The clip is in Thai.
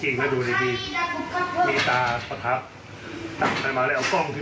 จำนำท่านไว้รับจำนำของโยม